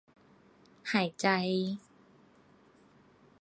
หายใจ